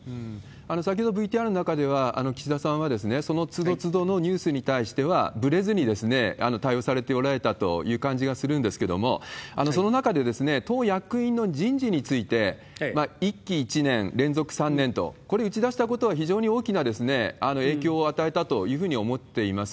先ほどＶＴＲの中では、岸田さんはそのつどつどのニュースに対しては、ぶれずに対応されておられたという感じがするんですけれども、その中で党役員の人事について、１期１年、連続３年と、これ打ち出したことは非常に大きな影響を与えたというふうに思ってます。